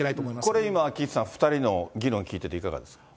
これ今、岸さん、２人の議論聞いてていかがですか？